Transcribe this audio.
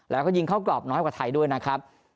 แล้วก็ยิงเข้ากรอบน้อยกว่าไทยด้วยนะครับ